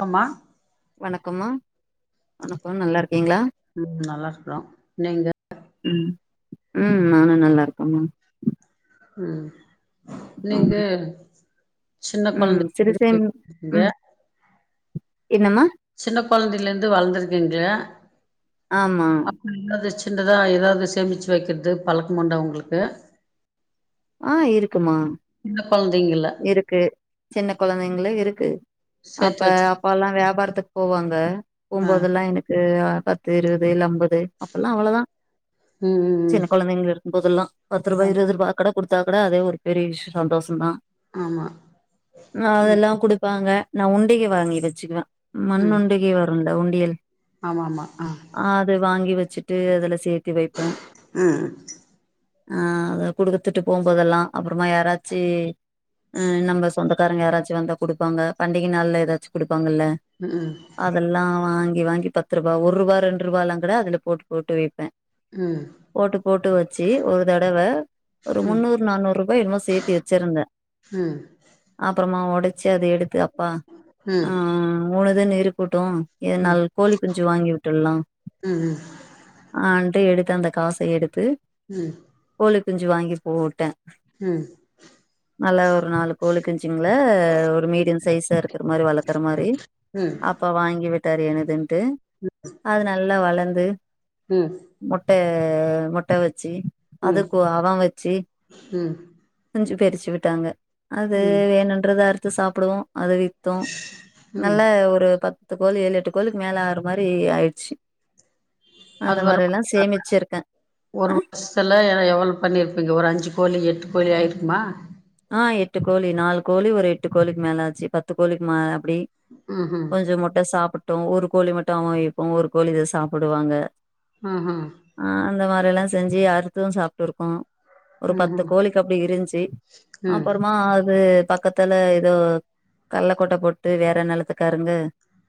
வம்மா வணக்கொமா வணக்கொம் நல்லாருக்கீங்ளா ம் நல்லா இருக்றோம் நீங்க ம் ம் நானு நல்லா இருக்கம்மா ம் நீங்க சின்ன ம் சிறுசேமி கொழந்தைங்க ம் [inaudible] என்னம்மா சின்ன கொழந்தைல இருந்து வளந்திருக்கீங்க ஆமா எதாது சின்னதா ஏதாவ்து சேமிச்சு வக்கெற்து பழக்கமுண்டா உங்ளுக்கு ஆ இருக்குமா சின்ன கொழந்தைங்கள இருக்கு சின்ன கொழந்தைங்ளு இருக்கு அப்ப சேத்து வச்சு அப்பால்லா வியாபாரத்துக் போவாங்க ஆ போம்போதெல்லா எனக் கு பத்து இருவது இல்ல அம்பது அப்பல்லா அவ்ளொ தா ம் சின்ன கொழந்தைங்ள இருக்கும்போதெல்லா பத்துரூபா ம் ம் இருவதுரூபா கட குடுத்தா கொட அதே ஒரு பெரிய விஷ் சந்தோஷந் தா ஆமா ஆமா ம் அதெல்லா குடுப்பாங்க நா உண்டிகை வாங்கி வெச்சுக்குவே மண் ம் உண்டிகெ வருமலக்ஷ உண்டியல் ஆமா ஆமா அ அது வாங்கி வச்சுட்டு அதுல சேத்தி வைப்பே அ ஆ அத குடுத்துட்டு போ போதெல்லா அப்றமா யாராச்சி அ நம்ம சொந்தக்காரங்க யாராச்சு வந்தா குடுப்பாங்க பண்டிக நாள்ல எதாச்சு குடுப்பாங்கல்ல ம் அதெல்லா வாங்கி வாங்கி பத்துருபா ஒருவா ரெண்ருவால்லாங் கூட அதுல போட்டு போட்டு வைப்பே ம் போட்டு போட்டு வெச்சி ஒரு தடவ ஒரு முன்னூறு நானூருபா என்னமோ சேத்தி வெச்சிருந்தே ம் அப்பறமா ஒடச்சி அத எடுத் க்கு அப்பா ம் ம் ஆ மூணுதுன் இருக்கட்டு இது ம் நாலு கோழி குஞ்சு வாங்கி விட்ற்லா ம் ம் ம் ஆன்டு எடுத்து அந்த காச எடுத்து ம் கோழி குஞ்சு வாங்கி போட்டே ம் நல்லா ஒரு நாலு கோழிக்குஞ்சிங்கள ஒரு மீடியம் சைஸா இருக்கிற மாரி வளக்குற மாரி ம் அப்பா வாங்கி விட்டாரு என்னுதுன்ட்டு அது நல்லா வளந்து ம் முட்ட முட்ட வெச்சி ம் குவாவ வெச்சு ம் குஞ்சு பெரிச்சி விட்டாங்க அது ம் வேணுன்றத அறுத்து சாப்படுவோ அது வித்தோ ம் நல்லா ஒரு பத் து கோழி ஏழு எட்டு கோழிக்கு மேல ஆகுற மாரி ஆயிச்சு அந்த அது மாரி எல்லா சேமிச்சிருக்கே [unintelligible] எ எவ்ளோ பண்ணியிருப்பீங்க ஒரு அஞ்சு கோழி எட்டு கோழி ஆயிருக்குமா ஆ எட்டு கோழி நாலு கோழி ஒரு எட்டு கோழிக்கு மேல ஆச்சு பத்து கோழிக்கு மேல அப்டி ம் ம் கொஞ்ச முட்ட சாப்பட்டோ ஒரு கோழி மட்டு அவ வெய்ப்போ ஒரு கோழி இத சாப்பிடுவாங்க ஆ ஆ ஆ அந்த மாரி எல்லா செஞ்சு அறுத்து சாப்பிட்ருக்கோ ஒரு ம் பத்து ம் கோழிக்கு அப்டி இருந்துச்சி ம் ம் அப்புறமா அது பக்கத் துல ஏதோ கல்ல கொட்ட போட்டு வேற நிலத்துக்காரங்க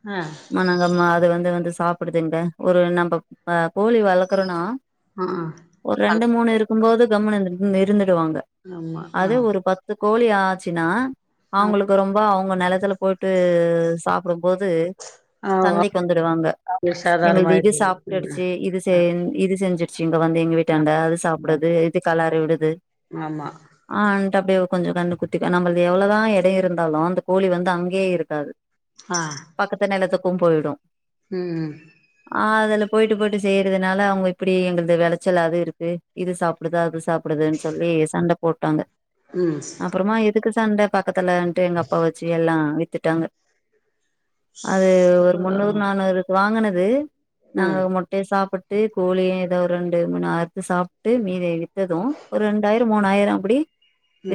அ மா நாங்க மா அது வந்து வந்து சாப்பிடுது இங்க ஒரு நம்ப அ கோழி வளக்கறோனா அ ஒரு ரெண்டு மூணு இருக்கும்போது கம்னு இரு இருந்துடுவாங்க ஆமா அதே ஆ ஒரு பத்து கோழி ஆச்சுன்னா ஆ அவுங்களுக்கு ரொம்ப அவுங்க நெலத்துல போ ய்ட்டு சாப்பிடும்போது ஆ சண்டைக்கு வந்துடுவாங்க அவங்களுக்கு எங்கள்து இது சாதாரணமாயிடுது ம் சாப்ட்டுடுச்சி இது ஆ இது செஞ்சிருச்சு இங்க வந்து எங்க வீட் ஆ டாண்ட அது ஆமா சாப்புடுது இது கலறி விடுது ஆமா அ டப்டியே கொஞ்ச கண் குத்தி நம்பள்து எவ்ளதா எடோ இருந்தாலு அந்த கோழி வந்து அங்கேய இருக்காது அ பக்கத்து நெலத்துக்கும் போய்டு ம் ஆ அதுல போயிட்டு போயிட்டு செய்யறதுனால அவங்க இப்டி எங்களது விளாச்சலாது இருக்கு இது சாப்பிடுது அது சாப்பிடுதுன்னு சொல்லி சண்ட போட்டாங்க ம் அப்பறமா எதுக்கு சண்ட பக்கத்துலன்ட்டு எங்க அப்பா வச்சு எல்லா வித்துட்டாங்க அது ஒரு முன்னூறு ம் நானூறுக்கு வாங்குனது நாங்க ம் மட் வி சாப்புட்டு கோழியு ஏதோ ஒரு ரெண்டு மூணு அருத்து சாப்புட்டு மீதி வித்தது ஒரு ரெண்டாயிர மூணாயிர அப்டி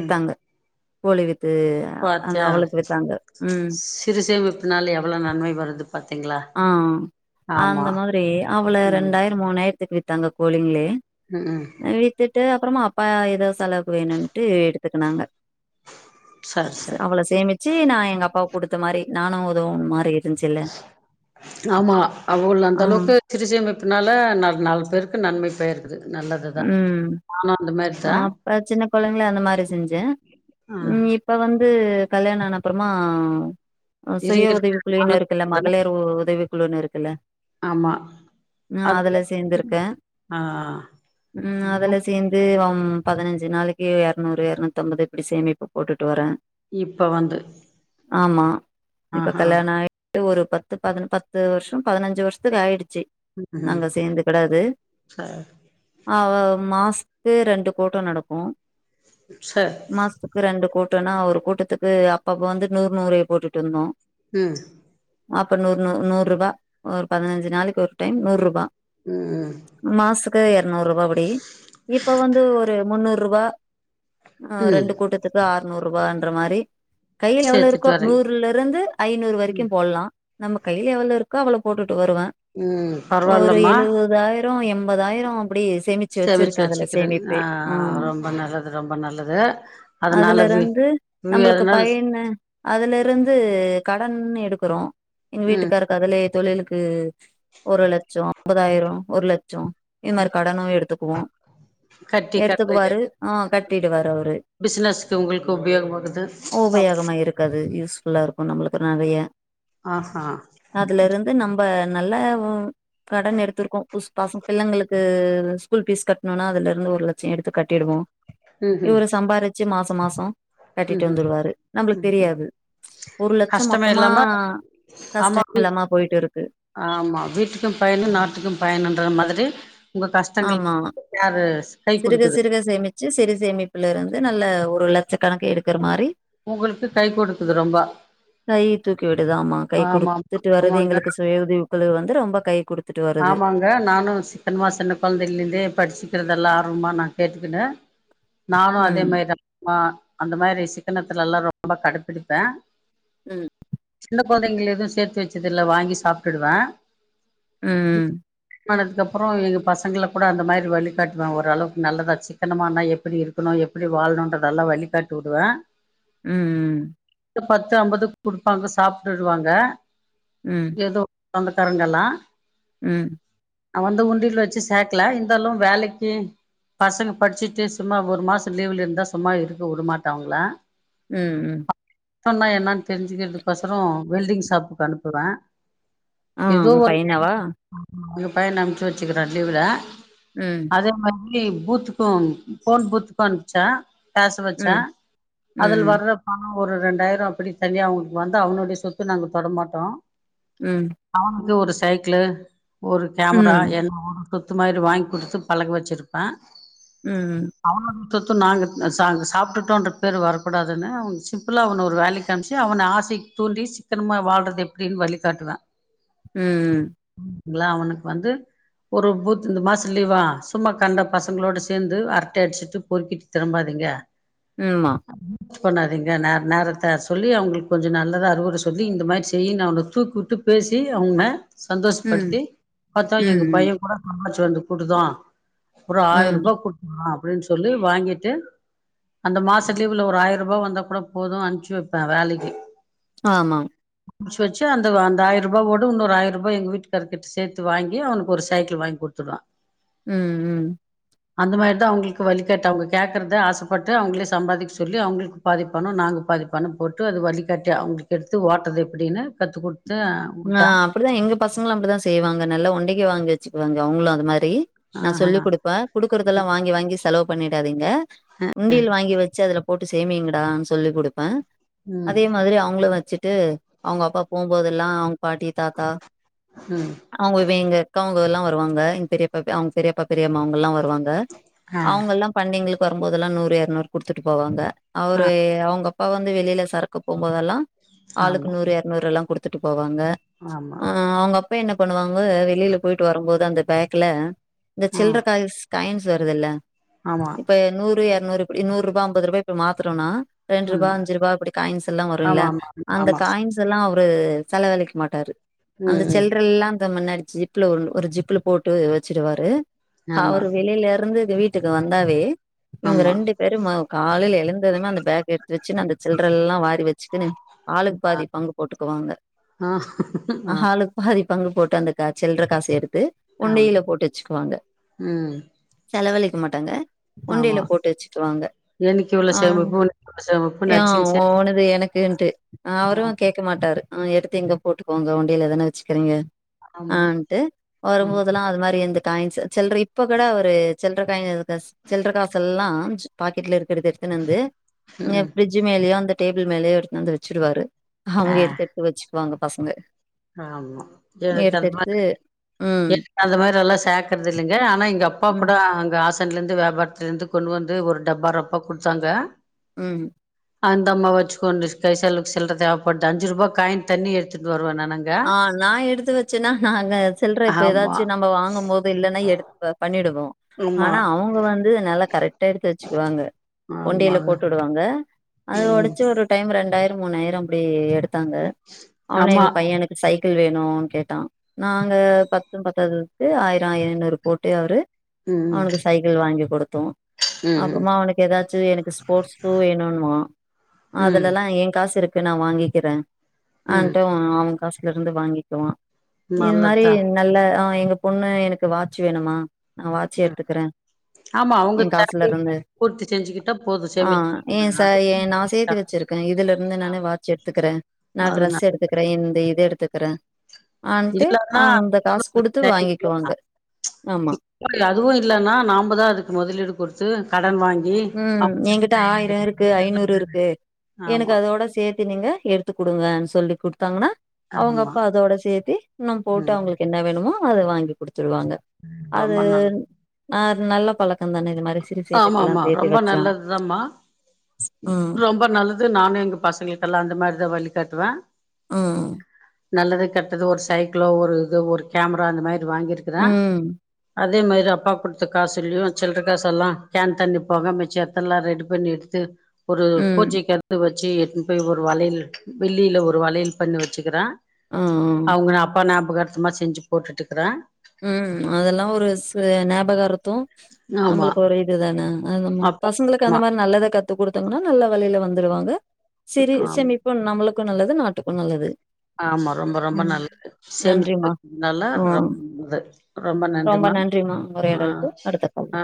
ம் கோழி வித்து அந்த பாத்தியா அவளுக்கு வித்தாங்க ம் சிறு சேமிப்புனால எவ்ள நன்மை வருது பாத்தீங்களா ஆ ஆமா அந்த மாதிரி அவ்ள ம் ரெண்டாயிர மூணாயிரத்துக்கு வித்தாங்க கோழிங்கலே ம்ம் அ வித்துட்டு அப்பறமா அப்பா ஏதோ செலவுக்கு வேணுட்டு எடுத்துக்குனாங்க சரி சரி அவ்ள சேமிச்சு நா எங்க அப்பா குடுத்த மாதிரி நானு உதவுன்ன மாதிரி இருந்துச்சுல ஆமா அவ்ளோ அந்த ஆ அளவுக்கு சிறுசேமிப்புனால நா நாலு நாலு பேருக்கு நன்மைப் போயிருக்கு அது நல்லதுதா ம் நானு அந்த மேரி தா அப்ப சின்ன கொழந்தைல அந்த மாரி செஞ்சேன் ஆ ம் இப்ப வந்து கல்யாண ஆன அப்பறமா அ சுய இருங்க உதவி இருங்க குழுவினர் நானு இருக்குல்ல இல்ல சொல்றே மகளிர் உதவிக்குள்ளன்னு இருக்குல்ல ஆமா நா அது அதுல சேர்ந்திருக்க ஆ ம் அதுல்ல சேந்து வம் பதினஞ்சு நாளிக்கு இரநூறு இரநூத்தி அம்பது இப்டி சேமிப்பு போட்டுட்டு வர இப்ப வந்து ஆமா இப்ப ஆஹா கல்யாண ஆய் ஒரு பத்து ப பதி பத்து வருஷ பதினஞ்சு வருஷத்துக்கு ஆயிடுச்சு ம்ம் நாங்க சேர் அவ மாஸ்கு ரெண்டு குட்ட நடக்கு சரி மாஸ் க்கு ரெண்டு கூட்டன்னா ஒரு கூட்டத்துக்கு அப்பப்ப வந்து நூறு நூறு போட்டுட்டு இருந்தோ ம் அப்ப நூறு நூ நூறு ரூபா ஒரு பதினஞ்சு நாளிக்கு ஒரு டைம் நூறு ரூபா ம் மாசுக்கு இரநூறு ரூபா புடி இப்ப வந்து ஒரு முன்னூறு ரூபா ஆ ம் ரெண்டு கூட்டத்துக்கு ஆறுநூறு ரூபான்ற மாரி கையில எவ்ளோ சேத்துட்டு இருக்கோ வரே நூறுல இருந்து ஐநூறு வரைக்கு போட்லா நம்ம கையில எவ்ளோ இருக்கோ அவ்ளோ போட்டுட்டு வருவ ம் ஒரு பரவால்லம்மா எழுவதாயி றோ எண்பதாயிறோ அப்டி சேமிச்சு வச்சிருக்க அதுல வச்சுக்கிறே சேமிப்பு ஆ அ ரொம்ப நல்லது ரொம்ப நல்லது அதுல அதனால வி இருந்து வி நம்மளுக்கு அதனால் பையனு அதுல இருந்து கடன்னு எடுக்குறோ எங்க ம் வீட்டுக்காரு க்கு அதுலே தொழிலுக்கு ஒரு லட்சோ ஐம்பதாயிரரோ ஒரு லட்சோ இது மாரி கடனு எடுத்துக்குவோ கட்டி கட்டுறீங்க எடுத்துக்குவாரு ஆ கட்டிட்டுவாரு அவுரே பிசினஸ்க்கு உங்களுக்கு உபயோக ஆகுது பாப் இருக்காது யூஸ் ஃபுல்லா இருக்கும் நம்மளுக்கு நெறய ஆ அ ம் இது நம்ம நல்ல உ கடன் எடுத்துருக்கோ உஸ் பாச பிள்ளங்களுக்கு இது ஸ்கூல் ஃபிஷ் கட்டணும்னா அதுல இருந்து ஒரு லட்சோ எடுத்து கட்டிடுவோ ம் ம் இவுரு சம்பாரிச் ச்சு மாசோ மாசோ ம் கட்டிட்டு ம் வந்துறுவாரு நம்பளுக்கு ம் ம் தெரியாது ஒரு லட்சோ கஷ்டமே மொத்தமா இல்லாம கஷ்டோ ஆமா இல்லாம போயிட்ருக்கு ஆமா வீட்டுக்கு பயனு நாட்டுக்கு பயனுன்ற மாதிரி ஒங்க கஷ்டங்கள் ஆமா யாரு கை சிறுக குடுக்குது சிறுக சேமிச்சு சிறு சேமிப்புல இருந்து நல்ல ஒரு லட்ச கணக்கு எடுக்கற மாரி ஒங்களுக்கு கை கொடுக்குது ரொம்ப கை தூக்கி விடுது ஆமா கை ஆமா ஆமா குடுத்துட்டு வருது ஆமாங்க எங்களுக்கு சுய உதவி குழு வந்து ரொம்ப கை குடு ஆமாங்க நானும் சிக்கனமா ஆமாங்க நானு சிக்கனமா சின்ன கொழந்தைல இருந்தே படிச்சுக்கிறதெல்லா ஆர்வமா நா கேட்டுக்குனு நானு அதே ம் மாரி ஆர்வமா அந்த மாரி சிக்கனத்துல எல்லா ரொம்ப கடப்பிடிப்பே ம் சின்ன கொழந்தங்கல்ல எது சேத்து வச்சதில்ல வாங்கி சாப்ட்டுடுவே ம் ஆனதுக்குப்பறோ எங்க பசங்கள கூட அந்த மாரி வழி காட்டுவே ஓரளவுக்கு நல்லதா சிக்கனமானா எப்டி இரு கனு எப்டி வாழணுன்றதல்லா வழிகாட்டி வுடுவே ம் இங்க பத்து ஐம்பது குடுப்பாங்க சாப்டுடுவாங்க ம் எதோ சொந்தக்காரங்கல்லா ம் நா வந்து உண்டில வச்சு சேக்கல இருந்தாலு வேலக்கி பசங்க படுச்சுட்டு சும்மா ஒரு மாசோ லீவுல இருந்தா சும்மா இருக்க வுடமாட்டே அவுங்கள ம் ம் த்தோன்னா என்னான் தெருஞ்சுக்கிறதுக் கொசரோ வெல்டிங் ஷாப்புக்கு அனுப்புவே ஆ எதோ உங்க ஒர்க்கு பையனாவா எங்க பையன அம்ச்சு வச்சுக்கிறே லீவுல ம் அதே மாரி வீக்லி பூத்துக்கு ஃபோன் பூத்துக்கு அனுப்ச்சே பேச வச்சே ம் அதுல ம் வர்ர பணோ ஒரு ரெண்டாயிரோ அப்டி தனியா அவுங்கக்கு வந்து அவனுடைய சொத்து நாங்க தொடமாட்டோ ம் அவனுக்கு ஒரு சைக்கிளு ஒரு கேமரா ம் எல்லா வாங்குனோ கொத்து மாரி வாங்கி குடுத்து பழக வச்சுருக்கே ம் ம் அவனோட சொத்து நாங்க சாங்க சாப்டுட்டோன்ற பேரு வரக்கூடாதுன்னு அவன சிம்பிளா அவன ஒரு வேலைக்கு கி அம்ச்சு அவன ஆசைக் தூண்டி சிக்கனமா வாழ்றது எப்டின் வழிகாட்டுவே ம் ம் ங்களா அவனுக்கு வந்து ஒரு பூத்து இந்த மாச லீவா சும்மா கண்ட பசங்களோட சேந்து அரட்டை அடுச்சுட்டு பொறுக்கிட்டு திரும்பாதீங்க ஆமா பண்ணாதீங்க நேர நேரத்த சொல்லி அவுங்களுக்கு கொஞ்சோ நல்லதா அறுவுர சொல்லி இந்த மாரி செய்யின் அவன தூக்கிவுட்டு பேசி அவுங்க ம் சந்தோஷப்படுத்தி பாத்தா ம் எங்க ம் பையே கூட சம்பாருச்சு வந்து குடுத்தா அப்பறோ ம் ஆயருபா குடுக்கலா அப்டின் சொல்லி வாங்கிட்டு அந்த மாசத்து லீவுல ஒரு ஆயர் ரூபா வந்த கூட போது அன்ப்ச்சு வப்பே வேலைக்கி ஆமா அம்ச்ச வச்சு அந்த வ அந்த ஆயருபாவோட வுன்னோரு ஆயரரூபா எங்க வீட்டுக்கார் டிப்ஸ் சேத்து வாங்கி அவனுக்கு ஒரு சைக்கிள் வாங்கி குடுத்துடுவா உம் உம் அந்த மாரி தா அவங்களுக்கு வழிகாட்டி அவங்க கேக்குறத ஆசப்பட்டு அவங்களே சம்பாதிக்க சொல்லி அவ்ங்களுக்கு பாதிப்பனொ நாங்க பாதிப்பனொ போட்டு அது வழிக்காட்டி அவங்களுக்கு எடுத்து ஓட்றது எப்டின்னு கத்து கொடுத்து ஆ அப்படிதா எங்க பசங்களு அப்படித்தா செய்வாங்க நல்லா ஒண்டைக்கு வாங்கி வச்சுக்குவாங்க அவங்களு அந்த மாரி நா ஆஹா சொல்லி் கொடுப்பே குடுக்குறதெல்லா வாங்கி வாங்கி செலவு பண்ணிடாதீங்க உண்டியல் வாங்கி வச்சு அதுல போட்டு சேமீயுங்கடான்னு சொல்லி கொடுப்பே ம் அதே மாத்ரி அவங்களு வச்சுட்டு அவங்க அப்பா போம்போதெல்லா அவங் பாட்டி தாத்தா ம் அவுங்க வே எங்க அக்காவுங்க எல்லா வருவாங்க எங்க பெரிய அவங்க பெரியப்பா பெரியம்மாவுங்க ல்லா வருவாங்க ஆ அவங்க ல்லா பண்டிங்களுக்கு வரும்போதெல்லா நூறு எரநூறு குடுத்துட்டு போவாங்க ஆ அவரு அவங்க அப்பா வந்து வெளியில சரக்கு போபோதெல்லா ஆளுக்கு ஆமா நூறு எரநூறெல்லா கொடுத்துட்டு போவாங்க ஆமா ஆ அவங்கப்பா என்ன பண்ணுவாங்க வெளியில போயிட்டு வரும்போது அந்த பேக்ல இந்த ஆ சில்ர காயின்ஸ் காயின்ஸ் வருதில்ல ஆமா இப்ப நூறு எரநூறு இப்டி நூறு ரூபா அம்பது ரூபா இப்ப மாத்துறோனா ரெண்டு ரூபா ஆமா அஞ்சு ரூபா இப்டி காயின்ஸ் ஸெல்லா வரு ல்ல ஆமா ஆமா அந்த ஆமா காயின்ஸ் ஸெல்லா அவரு செலவழிக்க மாட்டாரு ம் அந்த ம் சில்றெல்லா இந்த மன்னடிச்சி ப்ல ஒரு ஜிப்ல போட்டு வச்சுடுவாரு ஆமா அவரு வெளியில ருந்து இந்த வீட் வீட்டுக்கு வந்தாவே இவங்க ஆமா ரெண்டு பேரு காலைல எழுந்ததுமே அந்த பேக் எடுத்து வச்சுன்னு அந்த சில்ற ல்லா வாரி வச்சுக்குன்னு ஆளுக்கு பாதி பங்கு போட்டுக்குவாங்க ஆஹ் ஆஹ் ஆளுக்கு பாதி பங்கு போட்டு அந்த கா சில்ற காஸ் எடுத்து ஆமா உண்டியல்ல போட்டு வச்சுக்குவாங்க ம் செலவழிக்க மாட்டாங்க ஆமா உண்டியல்ல போட்டு வச்சுக்குவாங்க என்னைக்கு இவ்ளோ ஆ சேமிப்பு இன்னைக்கு இவ்ளோ சேமிப்பு ஆ நடிச்சின் சே உனது எனக்குன்ட்டு அவரு ஆமா கே இருக்க மாட்டரு எடுத்து இங்க போட்டுக்கோங்க உண்டியல தான வச்சுக்கிறீங்க ஆமா ஆன்ட்டு ம் வரும்போதெல்லா அது மாரி அந்த காயின்ஸ சில்ற இப்ப கூட அவரு சில்லற காயின் சில்லற காஸெ ல்லா பாக்கெட்ல இருக்குறது எடுத்துன்னு வந்து ம் பெஞ்ச் மேலயோ அந்த டேபில் மேலயோ எடுத்துனு வந்து வச்சுடுவாரு ஆ அவங்க எடுத்து எடுத்து வச்சுக்குவாங்க பசங்க ஆமா எனக்கு எடுத்து அந்த மாரி எடுத்து ம் எனக் அந்த மாரி எல்லா சேக்றதில்லேங்க ஆனா எங்க அப்பா ம் கூட அங்க ஆஸ் ன்ல ந்து வியாபாரத்துலந்து கொண்டு வந்து ஒரு டப்பா ரொப்பா குடுத்தாங்க ம் அந்த ம்மா வச்சுக்க கொண்டு கைசெலவுக் சில்ற தேவப்படுது அஞ்சுருபா காயின் தண்ணி எடுத்துட்டு வருவ நான் அங் ஆ நா எடுத்து வச்சன்னா நா அங்க சில்ற இப்ப ஆமா ஏதாச்சு நம்ப வாங்கும்போ இல்லன்னா எடுத் பண்ணிடுவோ ஆமா ஆனா அவங்க வந்து நல்லா கரெட்டா எடுத்து வச்சுக்குவாங்க உண்டியல்ல ஆமாங்க போட்டு வுடுவாங்க அது ம் ஒடச்சு ஒரு டைம் ரெண்டாயிர மூணாயிர அப்டி எடுத்தாங்க அவனே ஆமா எனக்கு சைக்கிள் வேணு கேட்டா நாங்க பத்தும் பத்தாததுக்கு ஆயிர ஐயினூறு போட்டு அவரு ம் அவனுக்கு சைக்கிள் வாங்கி கொடுத்தோ ம் அப்றமா அவனுக்கு ஏதாச்சு எனக்கு ஸ்போட்ஸ் ஸூ வேணுன்வா ம் அதுலல்லா ஏ காஸ் இருக் நா வாங்கிக்கிறே ம் ஆன்டு அவ காசுல ருந்து வாங்கிக்குவா இது மாரி நல்லதுதா நல்ல ஆ எங்க பொண்ணு எனக்கு வாச்சு வேணுமா நா வாச்சி எடுத்துக்கறே ஆமா அவங்க ஏ காஸ்ல தேவைய ர்ந்து பூர்த்தி செஞ்சுக்கிட்டா போது ஆ சேமிச்சு ஏ ச வைக்கிறதுனால. ஏ நா சேத்து வச்சிருக்கே இதுல இருந்து நானே வாட்ச் எடுத்துக்றே நா அது ட்ரெஸ் நல்லது எடுத்துக்றே இந்த இது எடுத்துக்றே ஆன்ட்டு இல்லன்னா அந்த காசு குடுத்து வாங்கிக்குவாங்க ஆமா இல்ல அதுவு இல்லன்னா நாம தா அதுக் முதலீடு குடுத்து கடன் வாங்கி ம் ஆம் எங்கிட்ட ஆயிரோ இருக்கு ஐநூறு இருக்கு ஆமா எனக்கதோட சேத் து நீங்க எடுத்து குடுங்கன் சொல்லி குடுத்தாங்கனா அவங்க ஆமா அப்பா அதோட சேத்தி இன்னு போட்டு ம் அவங்களுக்கு என்ன வேணுமோ அத வாங்கி குடுத்துருவாங்க அது ரொம்ப நல்ல ஆ நல்ல பழக்கந்தான இது மாரி சிறு ஆமா சேமிப்புலா ஆமா ரொம்ப நல்லது தாமா ம். ரொம்ப நல்லது நானு எங் பசங்களுக்கெல்லா அந்த மாரிதா வழிகாட்டுவே ம்ம் நல்லது கெட்டது ஒரு சைக்கிளோ ஒரு இது ஒரு கேமரா அந்த மாரி வாங்கிருக்குறே ம். அதே மாரி அப்பா குடுத்த காசுல்லயு சில்ற காசு எல்லா கேன் தண்ணி போக மிச்ச தெல்லா ரெடி பண்ணி எடுத்து ஒரு ம். பூஜைக் அடுத்து வச்சு எட்டுனு போய் ஒரு வளையல் வெள்ளியில ஒரு வளையல் பண்ணி வச்சுக்கிறே ஆ, ஆ. அவுங்க அப்பா ஞாபகர்த்தமா செஞ்சு போட்டுட்டு இருக்குறே ம் அதெல்லா ஒரு சு ஞாபகாரத்தோ ஆமா நம்மளுக்கு ஒரு இது தானே அதொன்னு அப்பா பசங்களுக் கு ஆமா அந்த மாரி நல்லத கத்து கொடுத்தங்கன்னா நல்ல வழியில வந்துருவாங்க சிறு ஆம் சேமிப் பு நம்மளுக்கு நல்லது நாட்டுக்கு நல்லது ஆமா ரொம்ப ரொம்ப ம் நல்லது நன்றிம்மா. சேமித்துக்கிறதுனால ரொம்ப ம் நல்லது ரொம்ப நன்றிமா நன்றிம்மா ஆ உரையாடலுக்கு. அடுத்த கால்ல ஆ